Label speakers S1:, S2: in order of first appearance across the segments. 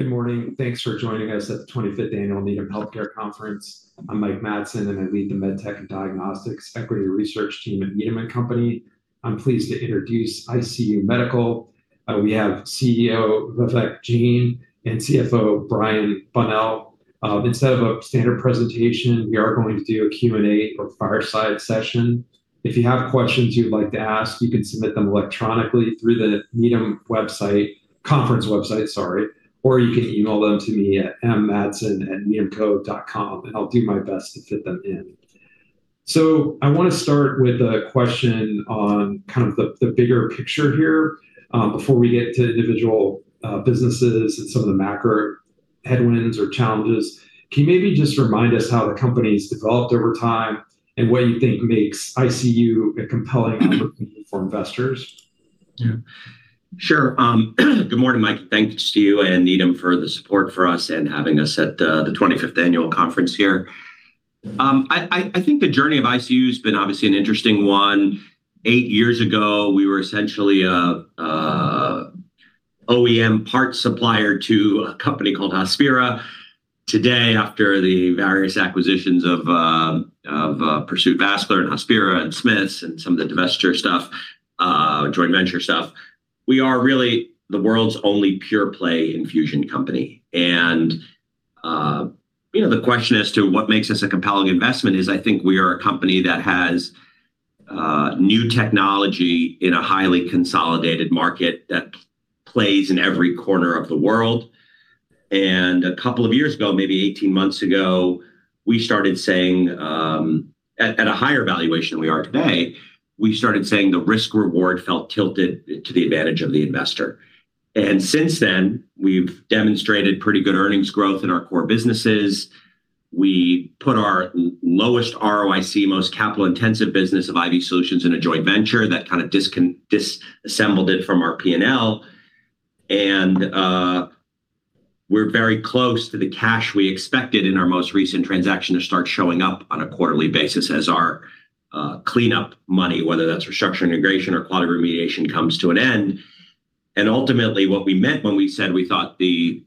S1: Good morning. Thanks for joining us at the 25th Annual Needham Healthcare Conference. I'm Mike Matson, and I lead the MedTech & Diagnostics Equity Research team at Needham & Company. I'm pleased to introduce ICU Medical. We have CEO Vivek Jain and CFO Brian Bonnell. Instead of a standard presentation, we are going to do a Q&A or fireside session. If you have questions you'd like to ask, you can submit them electronically through the Needham conference website, or you can email them to me at mmatson@needhamco.com, and I'll do my best to fit them in. I want to start with a question on kind of the bigger picture here, before we get to individual businesses and some of the macro headwinds or challenges. Can you maybe just remind us how the company's developed over time and what you think makes ICU a compelling opportunity for investors?
S2: Yeah. Sure. Good morning, Mike. Thanks to you and Needham for the support for us and having us at the 25th Annual Conference here. I think the journey of ICU has been obviously an interesting one. Eight years ago, we were essentially an OEM parts supplier to a company called Hospira. Today, after the various acquisitions of Pursuit Vascular and Hospira and Smiths and some of the divestiture stuff, joint venture stuff, we are really the world's only pure-play infusion company. The question as to what makes us a compelling investment is, I think we are a company that has new technology in a highly consolidated market that plays in every corner of the world. A couple of years ago, maybe 18 months ago, we started saying, at a higher valuation than we are today, we started saying the risk-reward felt tilted to the advantage of the investor. Since then, we've demonstrated pretty good earnings growth in our core businesses. We put our lowest ROIC, most capital-intensive business of IV Solutions in a joint venture that kind of disassembled it from our P&L. We're very close to the cash we expected in our most recent transaction to start showing up on a quarterly basis as our cleanup money, whether that's restructuring, integration, or quality remediation, comes to an end. Ultimately, what we meant when we said we thought the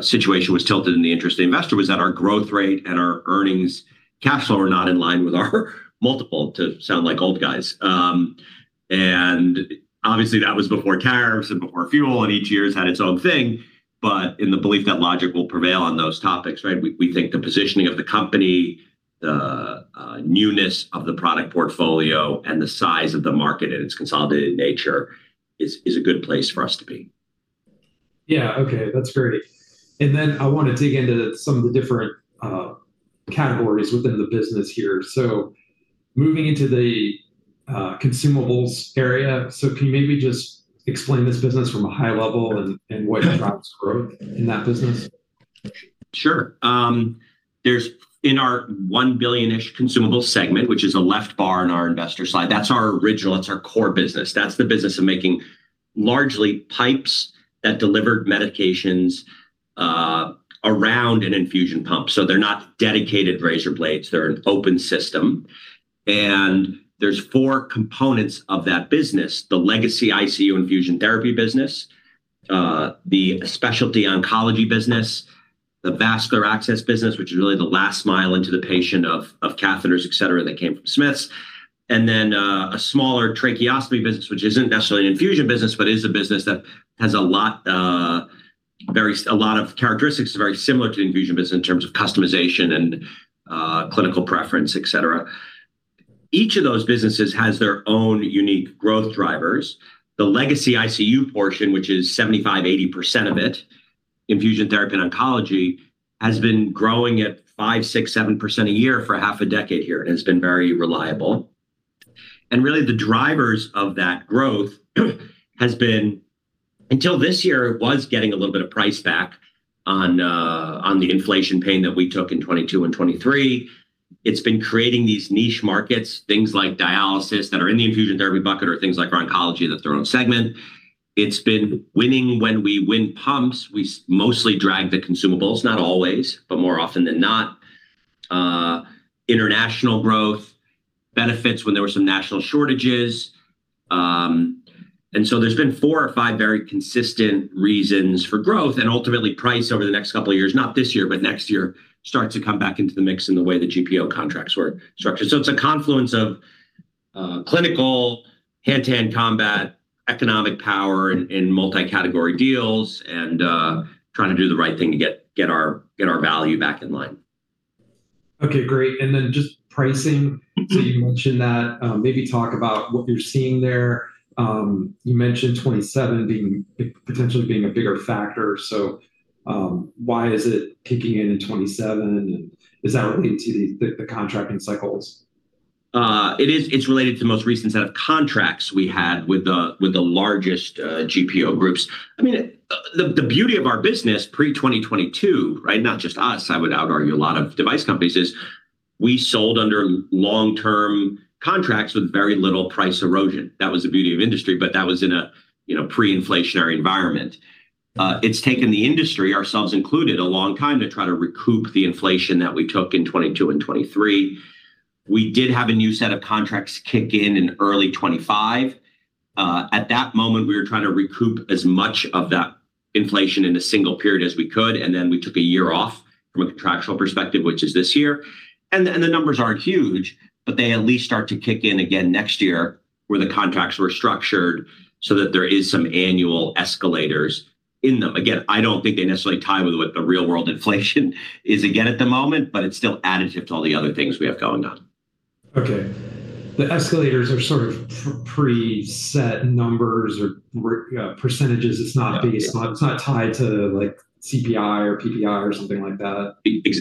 S2: situation was tilted in the interest of the investor was that our growth rate and our earnings castle were not in line with our multiple, to sound like old guys. Obviously, that was before tariffs and before fuel, and each year has had its own thing, but in the belief that logic will prevail on those topics, right? We think the positioning of the company, the newness of the product portfolio, and the size of the market in its consolidated nature is a good place for us to be.
S1: Yeah. Okay, that's great. I want to dig into some of the different categories within the business here. Moving into the Consumables area, so can you maybe just explain this business from a high level and what drives growth in that business?
S2: Sure. In our $1 billion-ish Consumable segment, which is a left bar in our investor slide, that's our original, that's our core business. That's the business of making largely pipes that delivered medications around an infusion pump. They're not dedicated razor blades. They're an open system. There's four components of that business, the legacy ICU infusion therapy business, the specialty Oncology business, the Vascular Access business, which is really the last mile into the patient of catheters, et cetera, that came from Smiths, and then a smaller tracheostomy business, which isn't necessarily an infusion business, but is a business that has a lot of characteristics very similar to the infusion business in terms of customization and clinical preference, et cetera. Each of those businesses has their own unique growth drivers. The legacy ICU portion, which is 75%-80% of it, infusion therapy and oncology, has been growing at 5%, 6%, 7% a year for half a decade here and has been very reliable. Really, the drivers of that growth has been, until this year, was getting a little bit of price back on the inflation pain that we took in 2022 and 2023. It's been creating these niche markets, things like dialysis that are in the infusion therapy bucket or things like our oncology that are their own segment. It's been winning when we win pumps. We mostly drag the Consumables, not always, but more often than not. International growth benefits when there were some national shortages. There's been four or five very consistent reasons for growth and ultimately price over the next couple of years, not this year, but next year, starts to come back into the mix in the way the GPO contracts were structured. It's a confluence of clinical hand-to-hand combat, economic power in multi-category deals, and trying to do the right thing to get our value back in line.
S1: Okay, great. Just pricing, so you mentioned that. Maybe talk about what you're seeing there. You mentioned 2027 potentially being a bigger factor. Why is it kicking in in 2027, and is that related to the contracting cycles?
S2: It is. It's related to the most recent set of contracts we had with the largest GPO groups. The beauty of our business pre-2022, right, not just us, I would argue a lot of device companies, is we sold under long-term contracts with very little price erosion. That was the beauty of industry, but that was in a pre-inflationary environment. It's taken the industry, ourselves included, a long time to try to recoup the inflation that we took in 2022 and 2023. We did have a new set of contracts kick in in early 2025. At that moment, we were trying to recoup as much of that inflation in one period as we could, and then we took a year off from a contractual perspective, which is this year. The numbers aren't huge, but they at least start to kick in again next year, where the contracts were structured so that there is some annual escalators in them. Again, I don't think they necessarily tie with what the real-world inflation is again at the moment, but it's still additive to all the other things we have going on.
S1: Okay. The escalators are sort of preset numbers or percentages.
S2: Yeah.
S1: It's not tied to CPI or PPI or something like that.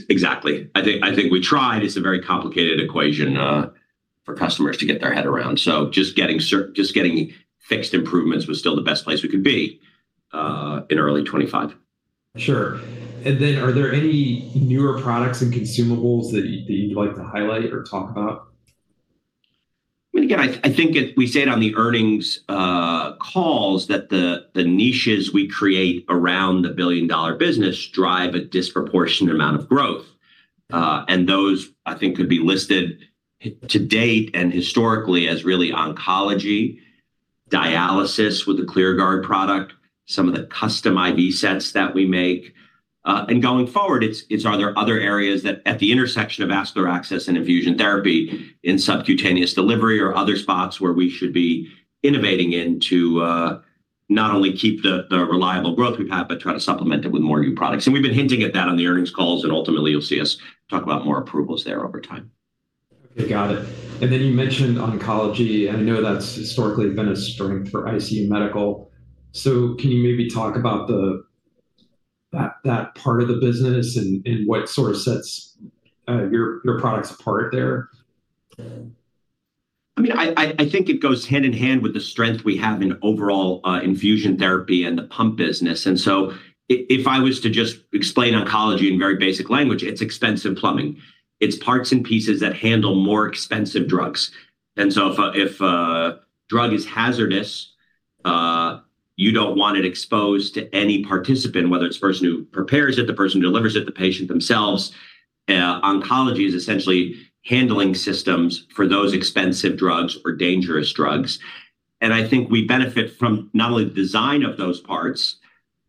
S2: Exactly. I think we tried. It's a very complicated equation for customers to get their head around. Just getting fixed improvements was still the best place we could be in early 2025.
S1: Sure. Are there any newer products and Consumables that you'd like to highlight or talk about?
S2: Again, I think we said on the earnings calls that the niches we create around the billion-dollar business drive a disproportionate amount of growth. Those, I think, could be listed to date and historically as really oncology, dialysis with the ClearGuard product, some of the custom IV sets that we make. Going forward, it's, are there other areas at the intersection of vascular access and infusion therapy in subcutaneous delivery or other spots where we should be innovating in to not only keep the reliable growth we've had, but try to supplement it with more new products? We've been hinting at that on the earnings calls, and ultimately, you'll see us talk about more approvals there over time.
S1: Okay, got it. You mentioned oncology, and I know that's historically been a strength for ICU Medical. Can you maybe talk about that part of the business and what sort of sets your products apart there?
S2: I think it goes hand in hand with the strength we have in overall infusion therapy and the pump business. If I was to just explain oncology in very basic language, it's expensive plumbing. It's parts and pieces that handle more expensive drugs. If a drug is hazardous, you don't want it exposed to any participant, whether it's the person who prepares it, the person who delivers it, the patient themselves. Oncology is essentially handling systems for those expensive drugs or dangerous drugs. I think we benefit from not only the design of those parts,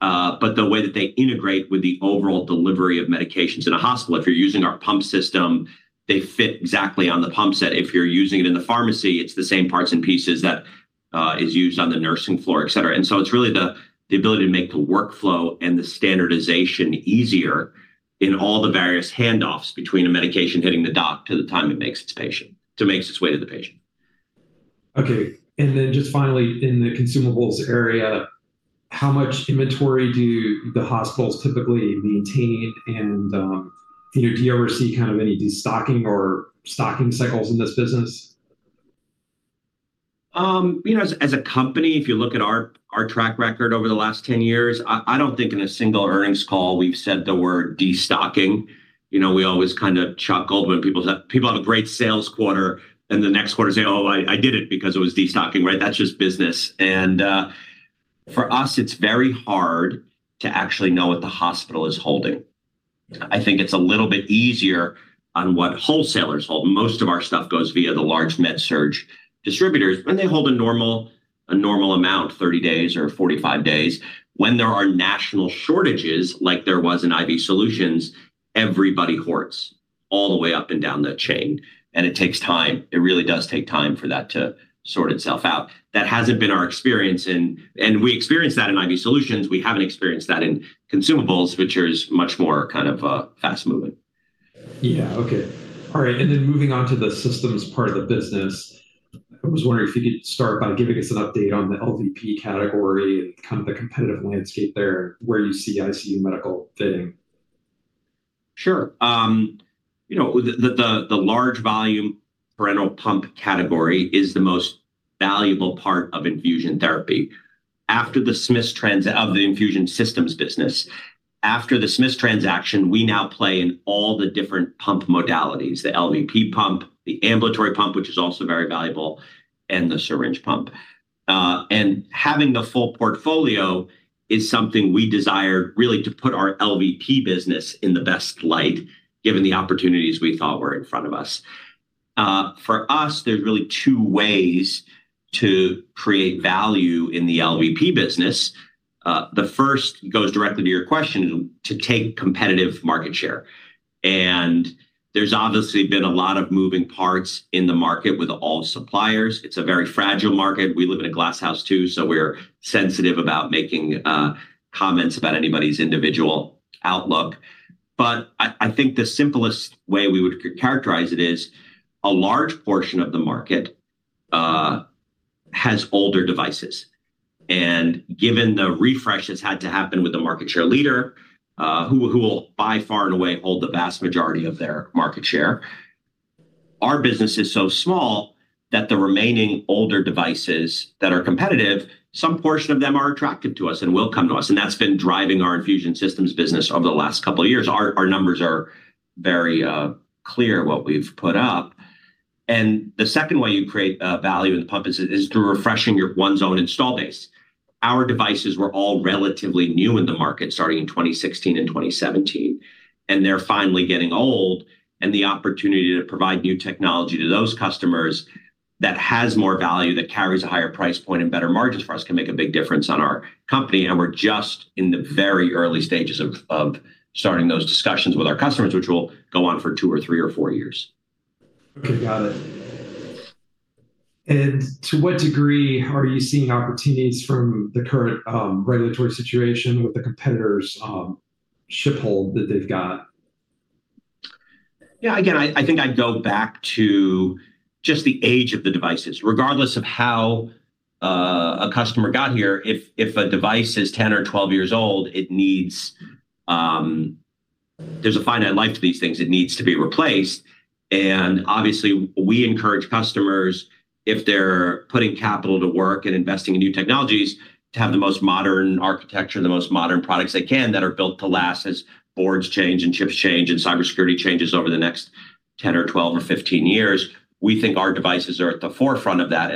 S2: but the way that they integrate with the overall delivery of medications in a hospital. If you're using our pump system, they fit exactly on the pump set. If you're using it in the pharmacy, it's the same parts and pieces that is used on the nursing floor, et cetera. It's really the ability to make the workflow and the standardization easier in all the various handoffs between a medication hitting the dock to the time it makes its way to the patient.
S1: Okay. Just finally, in the Consumables area, how much inventory do the hospitals typically maintain? Do you ever see kind of any destocking or stocking cycles in this business?
S2: As a company, if you look at our track record over the last 10 years, I don't think in a single earnings call, we've said the word destocking. We always kind of chuckled when people have a great sales quarter and the next quarter say, "Oh, I did it because it was destocking," right? That's just business. For us, it's very hard to actually know what the hospital is holding. I think it's a little bit easier on what wholesalers hold. Most of our stuff goes via the large med-surg distributors, and they hold a normal amount, 30 days or 45 days. When there are national shortages, like there was in IV Solutions, everybody hoards all the way up and down the chain, and it takes time. It really does take time for that to sort itself out. We experienced that in IV Solutions. We haven't experienced that in Consumables, which is much more kind of fast-moving.
S1: Yeah. Okay. All right. Moving on to the Systems part of the business, I was wondering if you could start by giving us an update on the LVP category and kind of the competitive landscape there, where you see ICU Medical fitting.
S2: Sure. The large volume parenteral pump category is the most valuable part of infusion therapy, of the Infusion Systems business. After the Smiths transaction, we now play in all the different pump modalities, the LVP pump, the ambulatory pump, which is also very valuable, and the syringe pump. Having the full portfolio is something we desire really to put our LVP business in the best light, given the opportunities we thought were in front of us. For us, there's really two ways to create value in the LVP business. The first goes directly to your question, to take competitive market share. There's obviously been a lot of moving parts in the market with all suppliers. It's a very fragile market. We live in a glass house too, so we're sensitive about making comments about anybody's individual outlook. I think the simplest way we would characterize it is a large portion of the market has older devices, and given the refresh that's had to happen with the market share leader, who will by far and away hold the vast majority of their market share, our business is so small that the remaining older devices that are competitive, some portion of them are attractive to us and will come to us, and that's been driving our Infusion Systems business over the last couple of years. Our numbers are very clear what we've put up. The second way you create value in the pump is through refreshing your own installed base. Our devices were all relatively new in the market, starting in 2016 and 2017, and they're finally getting old. The opportunity to provide new technology to those customers that has more value, that carries a higher price point and better margins for us, can make a big difference on our company. We're just in the very early stages of starting those discussions with our customers, which will go on for two or three or four years.
S1: Okay, got it. To what degree are you seeing opportunities from the current regulatory situation with the competitors' ship hold that they've got?
S2: Yeah, again, I think I'd go back to just the age of the devices. Regardless of how a customer got here, if a device is 10 or 12 years old, there's a finite life to these things. It needs to be replaced. Obviously we encourage customers, if they're putting capital to work and investing in new technologies, to have the most modern architecture, the most modern products they can, that are built to last. As boards change and chips change and cybersecurity changes over the next 10 or 12 or 15 years, we think our devices are at the forefront of that.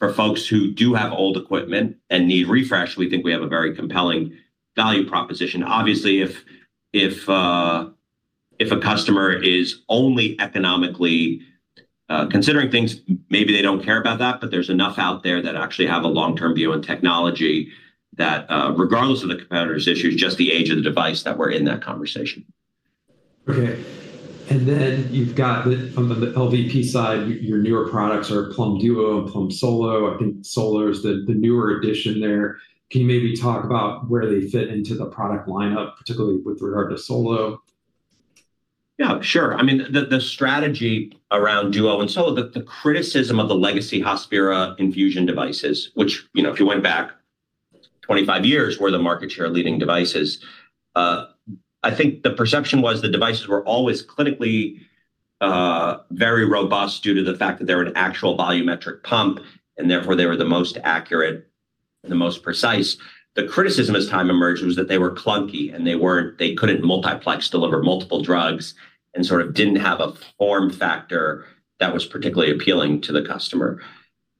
S2: For folks who do have old equipment and need refresh, we think we have a very compelling value proposition. Obviously, if a customer is only economically considering things, maybe they don't care about that. There's enough out there that actually have a long-term view on technology that, regardless of the competitor's issues, just the age of the device, that we're in that conversation.
S1: Okay. You've got on the LVP side, your newer products are Plum Duo and Plum Solo. I think Solo is the newer addition there. Can you maybe talk about where they fit into the product lineup, particularly with regard to Solo?
S2: Yeah, sure. The strategy around Duo and Solo, the criticism of the legacy Hospira infusion devices, which if you went back 25 years, were the market share leading devices. I think the perception was the devices were always clinically very robust due to the fact that they were an actual volumetric pump and therefore they were the most accurate and the most precise. The criticism as time emerged was that they were clunky and they couldn't multiplex deliver multiple drugs and sort of didn't have a form factor that was particularly appealing to the customer.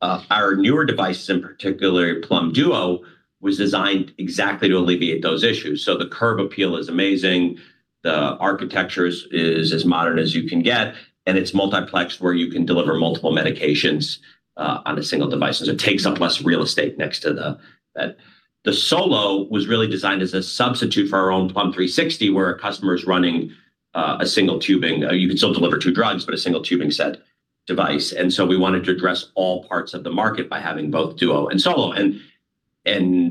S2: Our newer devices, in particular Plum Duo, was designed exactly to alleviate those issues. The curb appeal is amazing. The architecture is as modern as you can get, and it's multiplexed where you can deliver multiple medications on a single device. It takes up less real estate next to the bed. The Solo was really designed as a substitute for our own Plum 360, where a customer is running a single tubing. You can still deliver two drugs, but a single tubing set device. We wanted to address all parts of the market by having both Duo and Solo.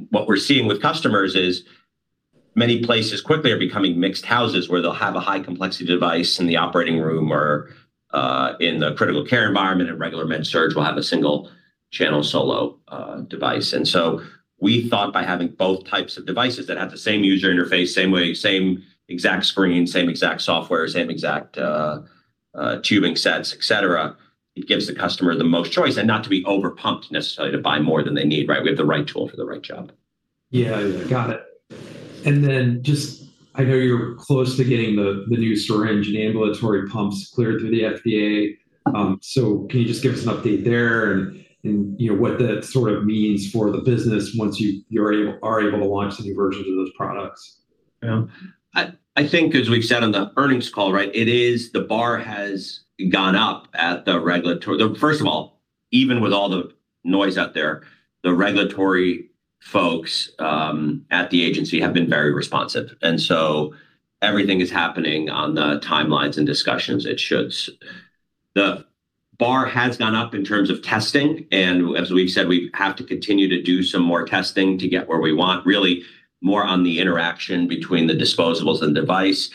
S2: What we're seeing with customers is many places quickly are becoming mixed houses, where they'll have a high complexity device in the operating room or in the critical care environment. Regular med-surg will have a single channel Solo device. We thought by having both types of devices that have the same user interface, same way, same exact screen, same exact software, same exact tubing sets, et cetera, it gives the customer the most choice. Not to be over-pumped necessarily to buy more than they need, right? We have the right tool for the right job.
S1: Yeah. Got it. I know you're close to getting the new syringe and ambulatory pumps cleared through the FDA. Can you just give us an update there and what that sort of means for the business once you are able to launch the new versions of those products?
S2: I think as we've said on the earnings call, right, the bar has gone up at the regulatory. First of all, even with all the noise out there, the regulatory folks at the agency have been very responsive. Everything is happening on the timelines and discussions it should. The bar has gone up in terms of testing, and as we've said, we have to continue to do some more testing to get where we want, really more on the interaction between the disposables and device.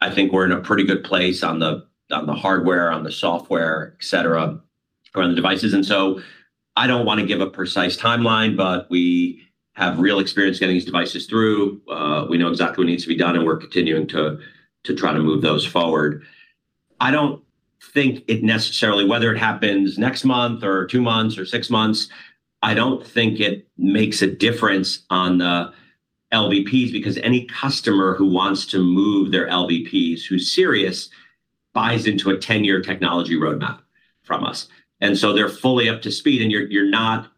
S2: I think we're in a pretty good place on the hardware, on the software, et cetera, around the devices. I don't want to give a precise timeline, but we have real experience getting these devices through. We know exactly what needs to be done, and we're continuing to try to move those forward. I don't think it necessarily, whether it happens next month or two months or six months, I don't think it makes a difference on the LVPs, because any customer who wants to move their LVPs, who's serious, buys into a 10-year technology roadmap from us. They're fully up to speed, and you're not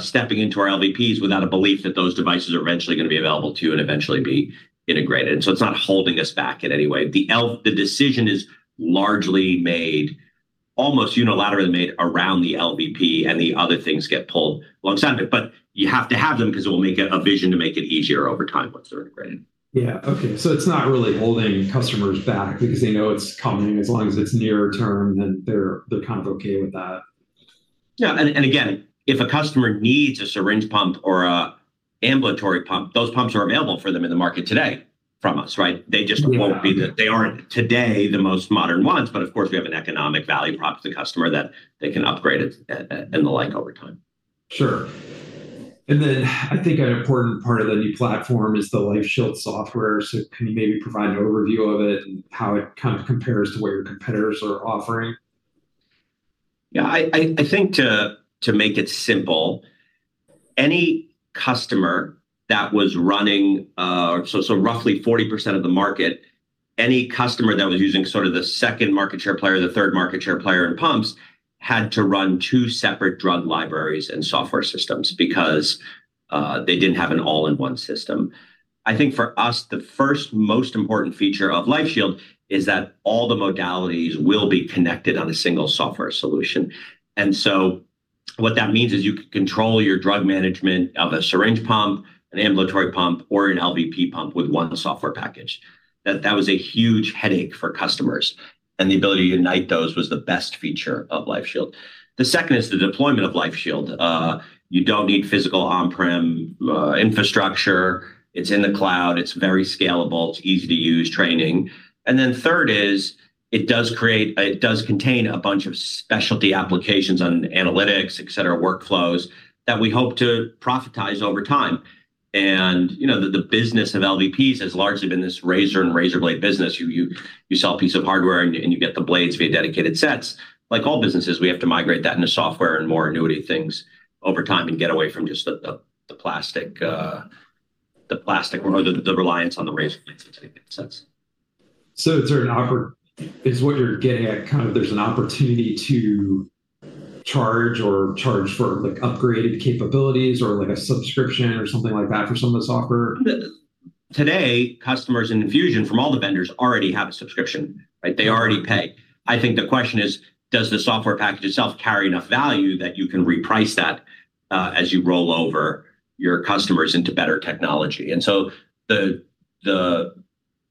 S2: stepping into our LVPs without a belief that those devices are eventually going to be available to you and eventually be integrated. It's not holding us back in any way. The decision is largely made, almost unilaterally made around the LVP, and the other things get pulled alongside of it, but you have to have them because it will make a vision to make it easier over time once they're integrated.
S1: Yeah. Okay. It's not really holding customers back because they know it's coming. As long as it's near-term, then they're kind of okay with that.
S2: Yeah. Again, if a customer needs a syringe pump or a ambulatory pump, those pumps are available for them in the market today from us, right?
S1: Yeah.
S2: They aren't today the most modern ones. Of course, we have an economic value prop to the customer that they can upgrade it and the like over time.
S1: Sure. I think an important part of the new platform is the LifeShield software. Can you maybe provide an overview of it and how it kind of compares to what your competitors are offering?
S2: Yeah, I think to make it simple, any customer that was running, roughly 40% of the market, any customer that was using sort of the second market share player, the third market share player in pumps had to run two separate drug libraries and software systems because they didn't have an all-in-one system. I think for us, the first most important feature of LifeShield is that all the modalities will be connected on a single software solution. What that means is you can control your drug management of a syringe pump, an ambulatory pump, or an LVP pump with one software package. That was a huge headache for customers, and the ability to unite those was the best feature of LifeShield. The second is the deployment of LifeShield. You don't need physical on-prem infrastructure. It's in the cloud. It's very scalable. It's easy-to-use training. Third is it does contain a bunch of specialty applications on analytics, et cetera, workflows that we hope to profitize over time. The business of LVPs has largely been this razor and razor blade business. You sell a piece of hardware, and you get the blades via dedicated sets. Like all businesses, we have to migrate that into software and more annuity things over time and get away from just the plastic or the reliance on the razor blades, if that makes sense.
S1: Is what you're getting at, kind of there's an opportunity to charge for upgraded capabilities or a subscription or something like that for some of the software?
S2: Today, customers in infusion from all the vendors already have a subscription, right? They already pay. I think the question is does the software package itself carry enough value that you can reprice that as you roll over your customers into better technology?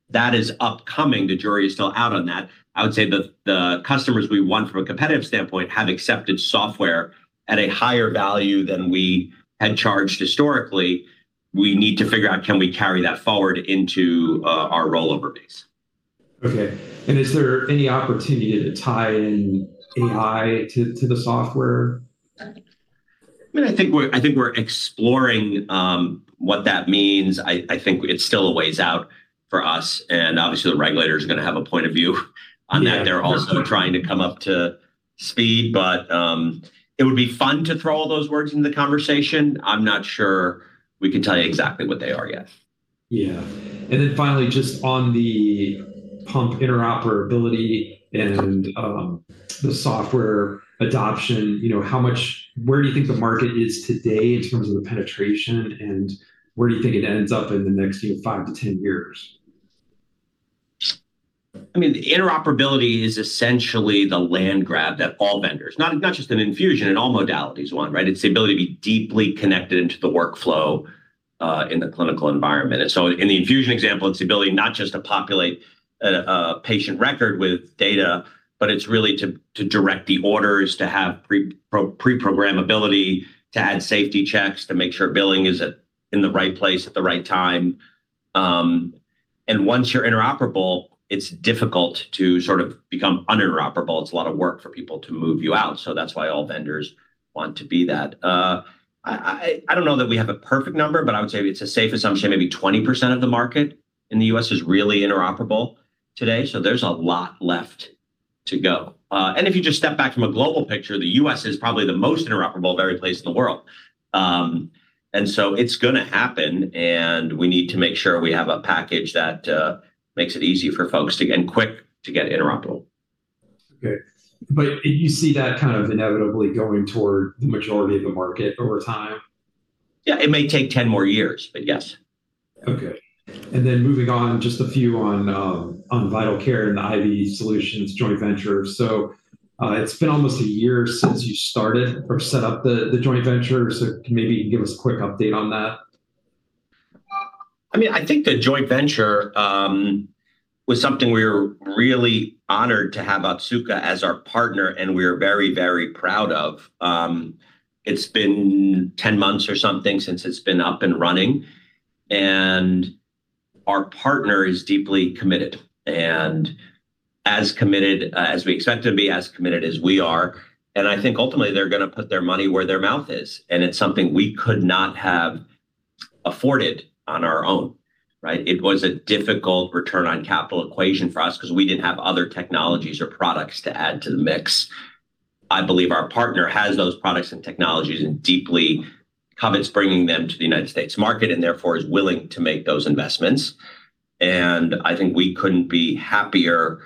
S2: That is upcoming. The jury is still out on that. I would say the customers we won from a competitive standpoint have accepted software at a higher value than we had charged historically. We need to figure out can we carry that forward into our rollover base.
S1: Okay. Is there any opportunity to tie in AI to the software?
S2: I think we're exploring what that means. I think it's still a ways out for us, and obviously, the regulators are going to have a point of view on that.
S1: Yeah, for sure.
S2: They're also trying to come up to speed. It would be fun to throw all those words into the conversation. I'm not sure we can tell you exactly what they are yet.
S1: Yeah. Finally, just on the pump interoperability and the software adoption, where do you think the market is today in terms of the penetration, and where do you think it ends up in the next five to 10 years?
S2: The interoperability is essentially the land grab that all vendors, not just in infusion, in all modalities want, right? It's the ability to be deeply connected into the workflow in the clinical environment. In the infusion example, it's the ability not just to populate a patient record with data, but it's really to direct the orders, to have pre-programmability, to add safety checks, to make sure billing is in the right place at the right time. Once you're interoperable, it's difficult to sort of become un-interoperable. It's a lot of work for people to move you out. That's why all vendors want to be that. I don't know that we have a perfect number, but I would say it's a safe assumption, maybe 20% of the market in the U.S. is really interoperable today. There's a lot left to go. If you just step back from a global picture, the U.S. is probably the most interoperable of every place in the world. It's going to happen, and we need to make sure we have a package that makes it easy for folks, and quick, to get interoperable.
S1: Okay. You see that kind of inevitably going toward the majority of the market over time?
S2: Yeah. It may take 10 more years, but yes.
S1: Okay. Moving on, just a few on Vital Care and the IV Solutions joint venture. It's been almost a year since you started or set up the joint venture. Can maybe you give us a quick update on that?
S2: I think the joint venture was something we were really honored to have Otsuka as our partner, and we are very proud of. It's been 10 months or something since it's been up and running, and our partner is deeply committed, and as committed as we expect them to be, as committed as we are. I think ultimately they're going to put their money where their mouth is, and it's something we could not have afforded on our own, right? It was a difficult return on capital equation for us because we didn't have other technologies or products to add to the mix. I believe our partner has those products and technologies and deeply commits bringing them to the United States market, and therefore is willing to make those investments. I think we couldn't be happier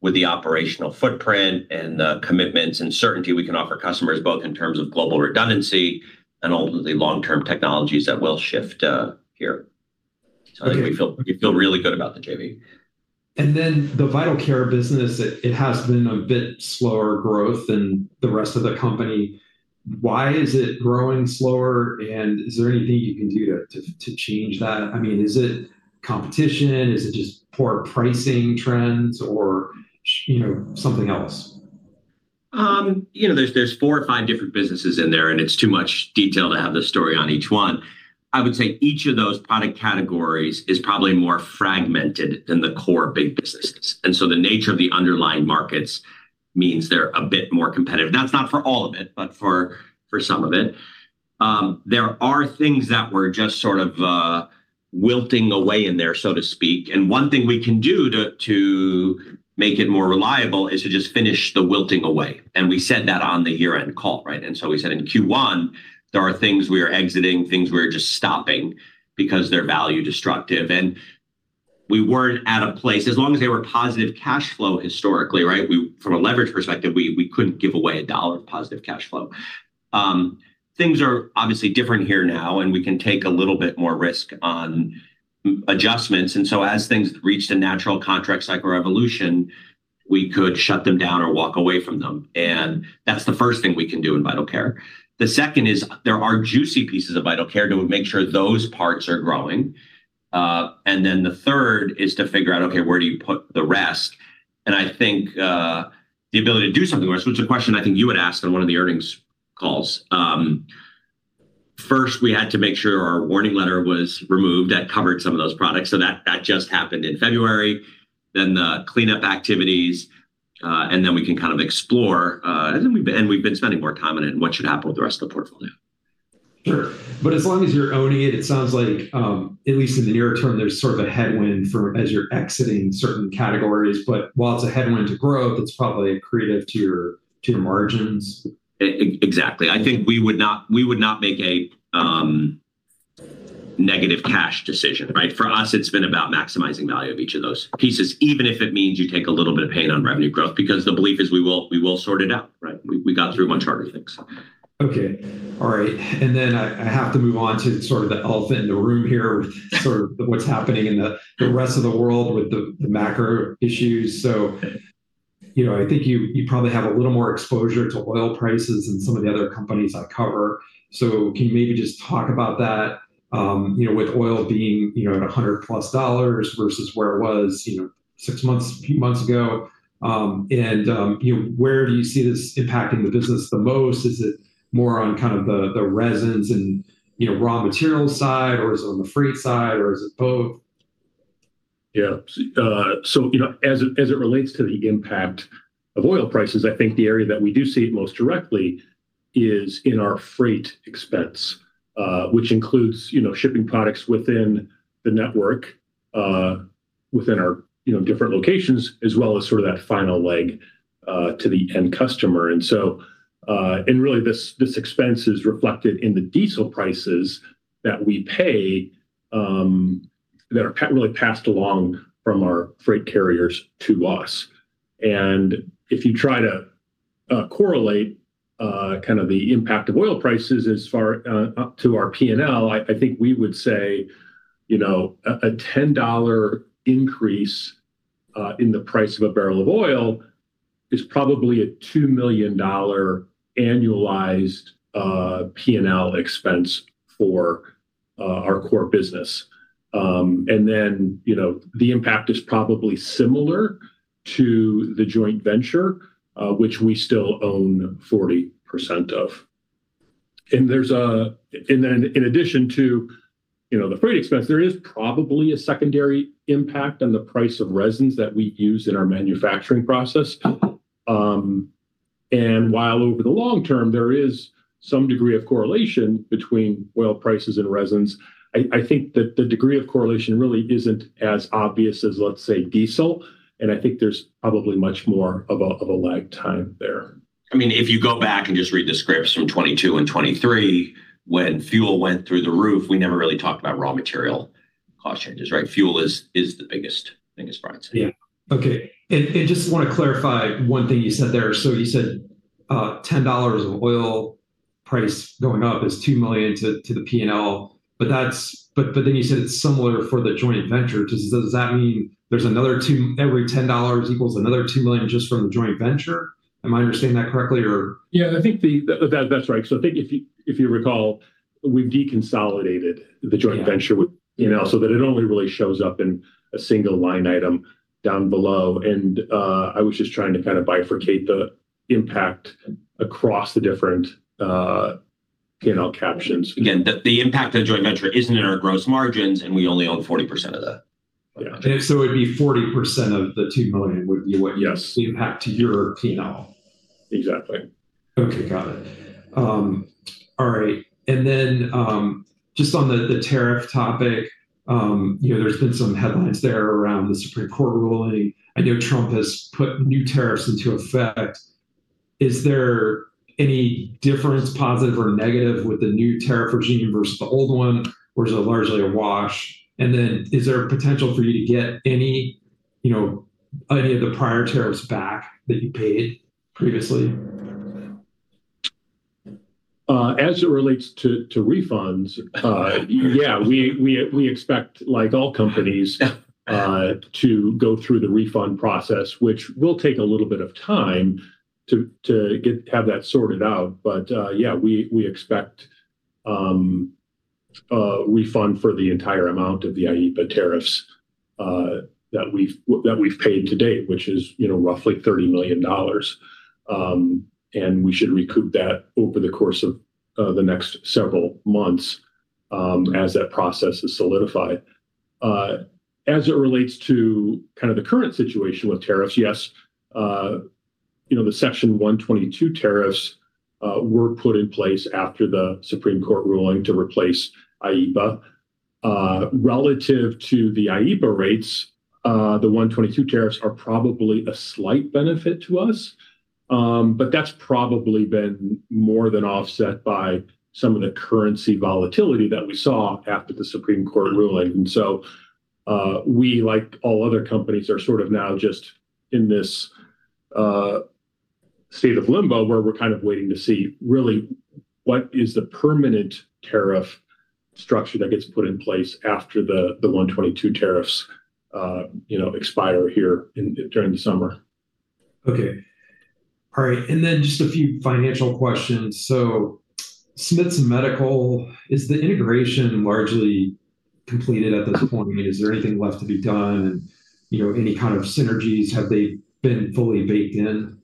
S2: with the operational footprint and the commitments and certainty we can offer customers, both in terms of global redundancy and ultimately long-term technologies that will shift here.
S1: Okay.
S2: I think we feel really good about the JV.
S1: The Vital Care business, it has been a bit slower growth than the rest of the company. Why is it growing slower, and is there anything you can do to change that? Is it competition? Is it just poor pricing trends or something else?
S2: There's four or five different businesses in there, and it's too much detail to have the story on each one. I would say each of those product categories is probably more fragmented than the core big businesses, and so the nature of the underlying markets means they're a bit more competitive. That's not for all of it, but for some of it. There are things that were just sort of wilting away in there, so to speak, and one thing we can do to make it more reliable is to just finish the wilting away. We said that on the year-end call, right? We said in Q1, there are things we are exiting, things we are just stopping because they're value destructive. We weren't at a place, as long as they were positive cash flow historically, right? From a leverage perspective, we couldn't give away $1 of positive cash flow. Things are obviously different here now, and we can take a little bit more risk on adjustments. As things reached a natural contract cycle revolution, we could shut them down or walk away from them. That's the first thing we can do in Vital Care. The second is there are juicy pieces of Vital Care, to make sure those parts are growing. The third is to figure out, okay, where do you put the rest? I think the ability to do something else, which is a question I think you had asked on one of the earnings calls, first, we had to make sure our warning letter was removed. That covered some of those products. That just happened in February. The cleanup activities, and then we can kind of explore. We've been spending more time on it, and what should happen with the rest of the portfolio.
S1: Sure. As long as you're owning it sounds like, at least in the near term, there's sort of a headwind as you're exiting certain categories. While it's a headwind to growth, it's probably accretive to your margins.
S2: Exactly. I think we would not make a negative cash decision, right? For us, it's been about maximizing value of each of those pieces, even if it means you take a little bit of pain on revenue growth, because the belief is we will sort it out, right? We got through much harder things.
S1: Okay. All right. I have to move on to sort of the elephant in the room here with sort of what's happening in the rest of the world with the macro issues. I think you probably have a little more exposure to oil prices than some of the other companies I cover. Can you maybe just talk about that, with oil being at $100+ versus where it was a few months ago? Where do you see this impacting the business the most? Is it more on kind of the resins and raw material side, or is it on the freight side, or is it both?
S3: Yeah. As it relates to the impact of oil prices, I think the area that we do see it most directly is in our freight expense, which includes shipping products within the network, within our different locations, as well as sort of that final leg to the end customer. Really, this expense is reflected in the diesel prices that we pay, that are really passed along from our freight carriers to us. If you try to correlate the impact of oil prices as far to our P&L, I think we would say, a $10 increase in the price of a barrel of oil is probably a $2 million annualized P&L expense for our core business. The impact is probably similar to the joint venture, which we still own 40% of. In addition to the freight expense, there is probably a secondary impact on the price of resins that we use in our manufacturing process. While over the long term, there is some degree of correlation between oil prices and resins, I think that the degree of correlation really isn't as obvious as, let's say, diesel. I think there's probably much more of a lag time there.
S2: If you go back and just read the scripts from 2022 and 2023 when fuel went through the roof, we never really talked about raw material cost changes, right? Fuel is the biggest price.
S3: Yeah.
S1: Okay. I just want to clarify one thing you said there. You said $10 of oil price going up is $2 million to the P&L. You said it's similar for the joint venture. Does that mean every $10 equals another $2 million just from the joint venture? Am I understanding that correctly?
S3: Yeah, that's right. I think if you recall, we've deconsolidated the joint venture.
S1: Yeah.
S3: With P&L, so that it only really shows up in a single line item down below, I was just trying to kind of bifurcate the impact across the different P&L captions.
S2: Again, the impact of the joint venture isn't in our gross margins, and we only own 40% of that.
S3: Yeah.
S1: It'd be 40% of the $2 million would be what?
S3: Yes.
S1: The impact to your P&L?
S3: Exactly.
S1: Okay. Got it. All right. Just on the tariff topic, there's been some headlines there around the Supreme Court ruling. I know Trump has put new tariffs into effect. Is there any difference, positive or negative, with the new tariff regime versus the old one, or is it largely a wash? Is there potential for you to get any of the prior tariffs back that you paid previously?
S3: As it relates to refunds, yeah, we expect, like all companies, to go through the refund process, which will take a little bit of time to have that sorted out. Yeah, we expect a refund for the entire amount of the IEEPA tariffs that we've paid to date, which is roughly $30 million. We should recoup that over the course of the next several months as that process is solidified. As it relates to kind of the current situation with tariffs, yes, the Section 122 tariffs were put in place after the Supreme Court ruling to replace IEEPA. Relative to the IEEPA rates, the 122 tariffs are probably a slight benefit to us. That's probably been more than offset by some of the currency volatility that we saw after the Supreme Court ruling. We, like all other companies, are sort of now just in this state of limbo, where we're kind of waiting to see really what is the permanent tariff structure that gets put in place after the 122 tariffs expire here during the summer.
S1: Okay. All right. Just a few financial questions. Smiths Medical, is the integration largely completed at this point? Is there anything left to be done? Any kind of synergies, have they been fully baked in?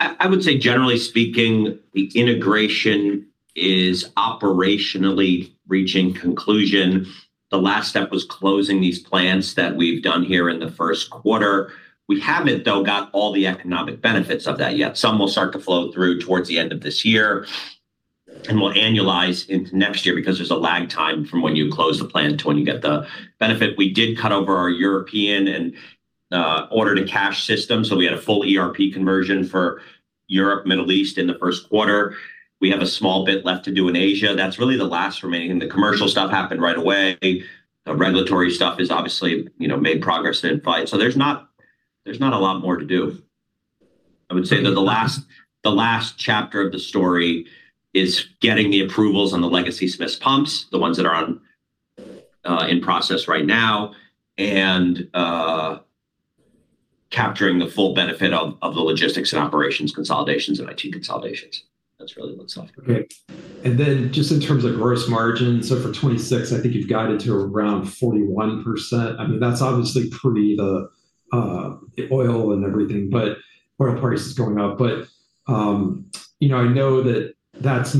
S2: I would say generally speaking, the integration is operationally reaching conclusion. The last step was closing these plants that we've done here in the first quarter. We haven't, though, got all the economic benefits of that yet. Some will start to flow through towards the end of this year and will annualize into next year because there's a lag time from when you close the plant to when you get the benefit. We did cut over our European and order-to-cash system, so we had a full ERP conversion for Europe, Middle East in the first quarter. We have a small bit left to do in Asia. That's really the last remaining. The commercial stuff happened right away. The regulatory stuff has obviously made progress in it. There's not a lot more to do. I would say that the last chapter of the story is getting the approvals on the legacy Smiths pumps, the ones that are in process right now, and capturing the full benefit of the logistics and operations consolidations and IT consolidations. That's really what's left.
S1: Okay. Just in terms of gross margin, for 2026, I think you've guided to around 41%. That's obviously the oil and everything, but oil price is going up. I know that that's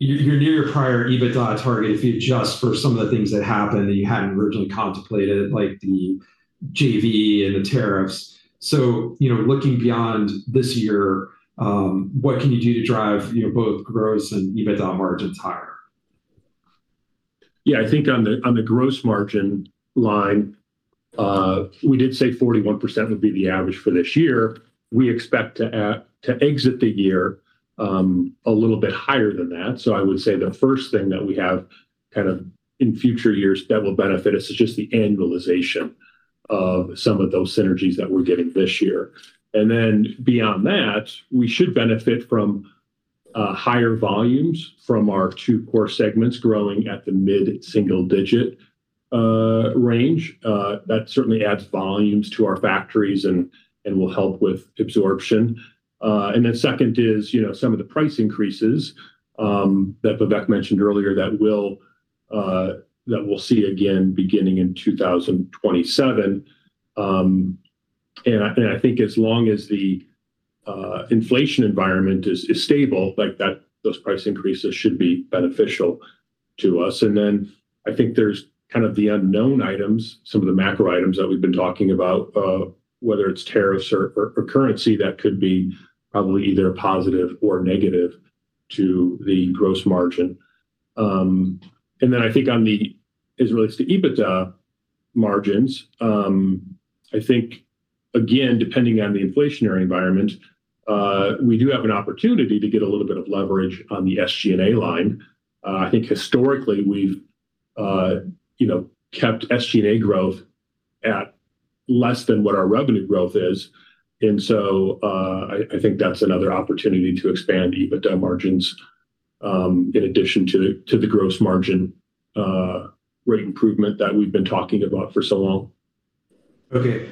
S1: near your prior EBITDA target if you adjust for some of the things that happened that you hadn't originally contemplated, like the JV and the tariffs. Looking beyond this year, what can you do to drive both gross and EBITDA margins higher?
S3: Yeah, I think on the gross margin line, we did say 41% would be the average for this year. We expect to exit the year a little bit higher than that. I would say the first thing that we have kind of in future years that will benefit us is just the annualization of some of those synergies that we're getting this year. Beyond that, we should benefit from higher volumes from our two core segments growing at the mid-single-digit range. That certainly adds volumes to our factories and will help with absorption. Second is some of the price increases that Vivek mentioned earlier that we'll see again beginning in 2027. I think as long as the inflation environment is stable, those price increases should be beneficial to us. I think there's kind of the unknown items, some of the macro items that we've been talking about, whether it's tariffs or currency, that could be probably either a positive or negative to the gross margin. I think as it relates to EBITDA margins, I think, again, depending on the inflationary environment, we do have an opportunity to get a little bit of leverage on the SG&A line. I think historically we've kept SG&A growth at less than what our revenue growth is. I think that's another opportunity to expand EBITDA margins in addition to the gross margin rate improvement that we've been talking about for so long.
S1: Okay.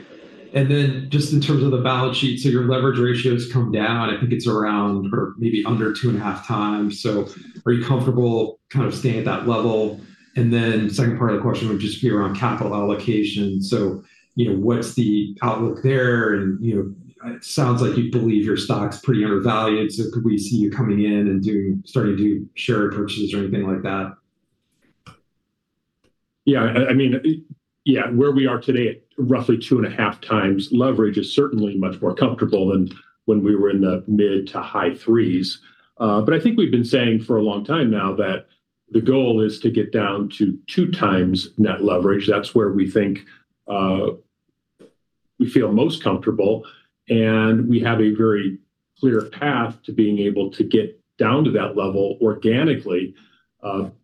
S1: Just in terms of the balance sheet, your leverage ratio's come down. I think it's around or maybe under 2.5x. Are you comfortable kind of staying at that level? Second part of the question would just be around capital allocation. What's the outlook there? It sounds like you believe your stock's pretty undervalued. Could we see you coming in and starting to do share repurchases or anything like that?
S3: Yeah. Where we are today at roughly 2.5x leverage is certainly much more comfortable than when we were in the mid-to-high 3s. I think we've been saying for a long time now that the goal is to get down to 2x net leverage. That's where we think we feel most comfortable, and we have a very clear path to being able to get down to that level organically,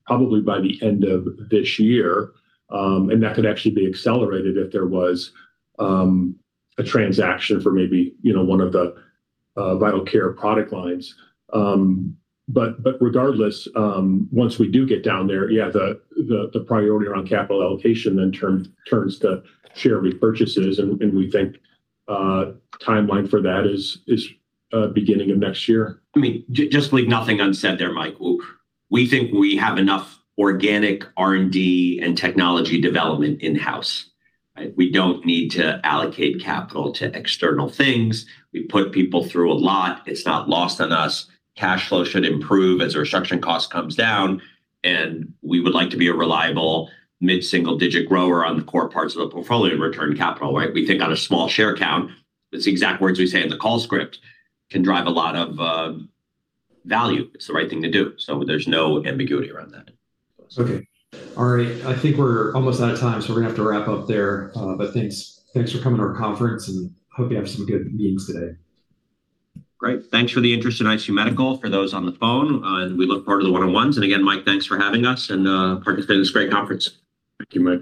S3: probably by the end of this year. That could actually be accelerated if there was a transaction for maybe one of the Vital Care product lines. Regardless, once we do get down there, yeah, the priority around capital allocation then turns to share repurchases, and we think timeline for that is beginning of next year.
S2: Just to leave nothing unsaid there, Mike. We think we have enough organic R&D and technology development in-house. We don't need to allocate capital to external things. We put people through a lot. It's not lost on us. Cash flow should improve as our structuring cost comes down, and we would like to be a reliable mid-single-digit grower on the core parts of a portfolio. Return capital, we think, on a small share count, it's the exact words we say in the call script, can drive a lot of value. It's the right thing to do. There's no ambiguity around that.
S1: Okay. All right. I think we're almost out of time, so we're going to have to wrap up there. Thanks for coming to our conference, and hope you have some good meetings today.
S2: Great. Thanks for the interest in ICU Medical, for those on the phone. We look forward to the one-on-ones. Again, Mike, thanks for having us and participating in this great conference.
S3: Thank you, Mike.